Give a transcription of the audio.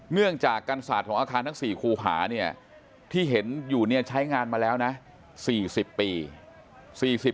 เนื่องจากกันศาสตร์ของอาคารทั้ง๔คูหาเนี่ยที่เห็นอยู่เนี่ยใช้งานมาแล้วนะ๔๐ปี